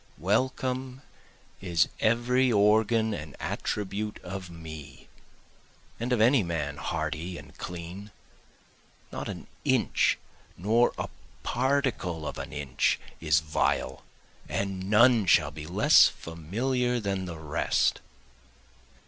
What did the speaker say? Welcome is every organ and attribute of me, and of any man hearty and clean, Not an inch nor a particle of an inch is vile, and none shall be less familiar than the rest.